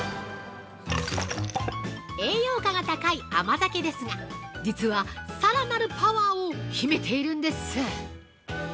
栄養価が高い甘酒ですが実は、さらなるパワーを秘めているんです！